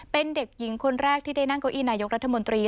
เป็นเด็กหญิงคนแรกที่ได้นั่งเก้าอี้นายกรัฐมนตรี